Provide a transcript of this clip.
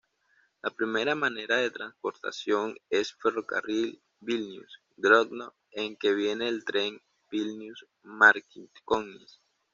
La primera manera de transportación es ferrocarril Vilnius-Grodno en que viene el tren Vilnius-Marcinkonys.